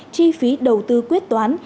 chi phí đầu tư quyết toán